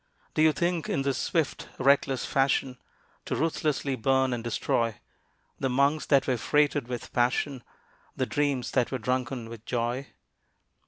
Do you think in this swift reckless fashion To ruthlessly burn and destroy The months that were freighted with passion, The dreams that were drunken with joy?